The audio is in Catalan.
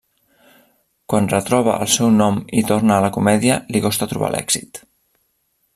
Quan retroba el seu nom i torna a la comèdia, li costa trobar l'èxit.